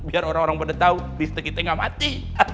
biar orang orang bener tau listrik kita gak mati